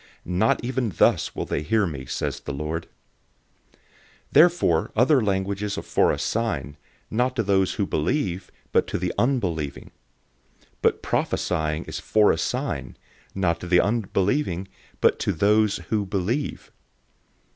Not even thus will they hear me, says the Lord."{Isaiah 28:11 12} 014:022 Therefore other languages are for a sign, not to those who believe, but to the unbelieving; but prophesying is for a sign, not to the unbelieving, but to those who believe.